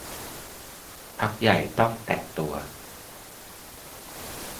พรรคใหญ่ต้องแตกตัว